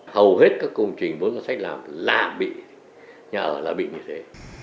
hầu hết các công trình vốn ngân sách làm là bị nhà ở là bị như thế